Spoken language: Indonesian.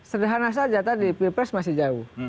sederhana saja tadi pilpres masih jauh